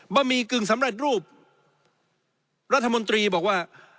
หมี่กึ่งสำเร็จรูปรัฐมนตรีบอกว่า